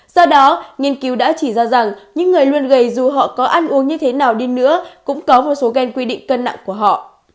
do đó nghiên cứu đã chỉ ra rằng những người luôn gầy dù họ có ăn uống như thế nào đi nữa cũng có một số ghen quy định cân nặng của họ